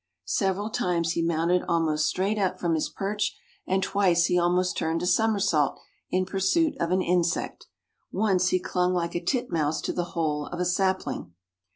Several times he mounted almost straight up from his perch, and twice he almost turned a somersault in pursuit of an insect. Once he clung like a titmouse to the hole of a sapling."